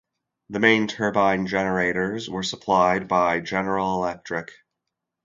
The main turbine generators were supplied by General Electric.